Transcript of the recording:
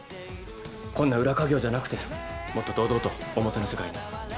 こんな裏稼業じゃなくてもっと堂々と表の世界に。